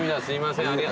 すいません。